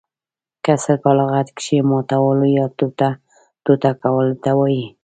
کسر په لغت کښي ماتولو يا ټوټه - ټوټه کولو ته وايي.